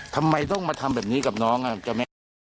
ทำไมต้องมาทำแบบนี้กับน้องเจ้าแม่